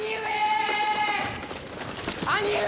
兄上！